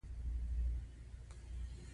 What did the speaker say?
هغه له کمپیوټر لیب څخه اعظمي ګټه پورته کوي.